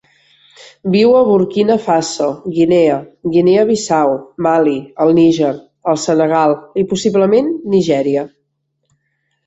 Viu a Burkina Faso, Guinea, Guinea-Bissau, Mali, el Níger, el Senegal i, possiblement, Nigèria.